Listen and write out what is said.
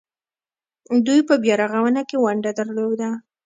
دوی په بیارغونه کې ونډه درلوده.